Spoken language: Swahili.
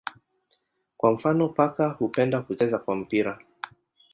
Kwa mfano paka hupenda kucheza kwa mpira.